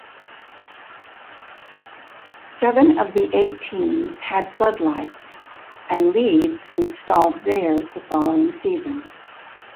Seven of the eight teams had floodlights and Leeds installed theirs the following season.